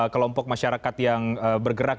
kelompok masyarakat yang bergerak